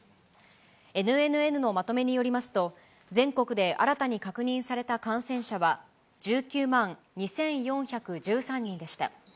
ＮＮＮのまとめによりますと、全国で新たに確認された感染者は、１９万２４１３人でした。